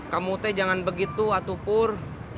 kamu teh jangan begitu atupur